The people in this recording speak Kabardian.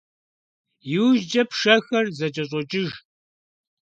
ИужькӀэ пшэхэр зэкӀэщӀокӀыж.